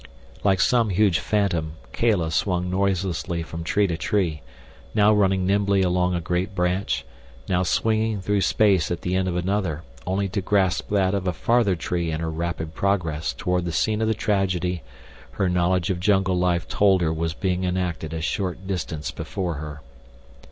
Like some huge phantom, Kala swung noiselessly from tree to tree; now running nimbly along a great branch, now swinging through space at the end of another, only to grasp that of a farther tree in her rapid progress toward the scene of the tragedy her knowledge of jungle life told her was being enacted a short distance before her.